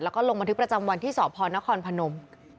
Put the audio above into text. แล้วก็ลงบันทึกประจำวันที่สพนครพนม